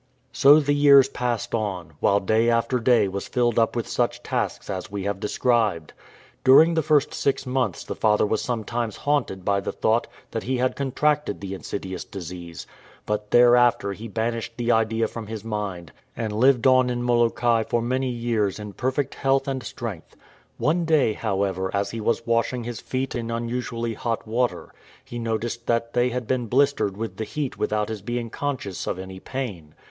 So the years passed on, while day after day was filled up with such tasks as we have described. During the first six months the father was sometimes haunted by the thought that he had contracted the insidious disease, but thereafter he banished the idea from his mind, and lived on in Molokai for many years in perfect health and 306 HIMSELF A LEPER strength. One day, however, as he was washing his feet in unusually hot water, he noticed that they had been blistered with the heat without his being conscious of any pain.